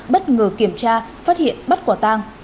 bất ngờ kiểm tra phát hiện bắt quả tang